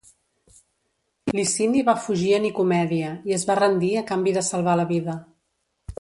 Licini va fugir a Nicomèdia i es va rendir a canvi de salvar la vida.